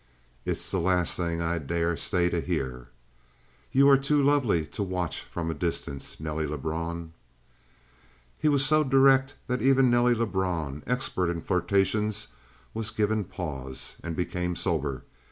"It's the last thing I dare stay to hear." "You are too lovely to watch from a distance, Nelly Lebrun." He was so direct that even Nelly Lebrun, expert in flirtations, was given pause, and became sober.